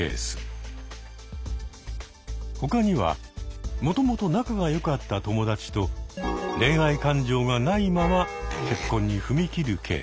他にはもともと仲が良かった友達と恋愛感情がないまま結婚に踏み切るケース。